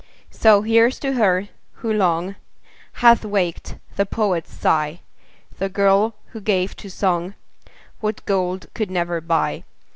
So here's to her, who long Hath waked the poet's sigh, The girl, who gave to song What gold could never buy.